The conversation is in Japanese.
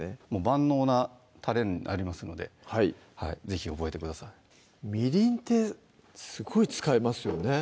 万能なたれになりますので是非覚えてくださいみりんってすごい使いますよね